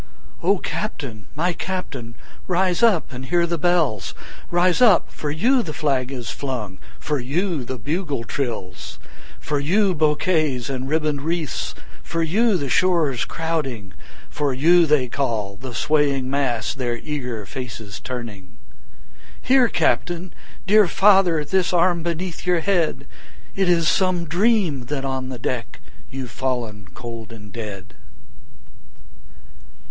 O Captain! my Captain! rise up and hear the bells; Rise up—for you the flag is flung—for you the bugle trills, 10 For you bouquets and ribbon'd wreaths—for you the shores crowding, For you they call, the swaying mass, their eager faces turning; Here, Captain! dear father! This arm beneath your head! It is some dream that on the deck 15 You've fallen cold and dead.